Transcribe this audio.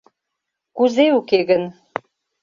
- Кузе уке гын!